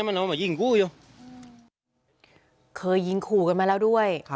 เขาบอกว่าพี่มือจะด่าเขา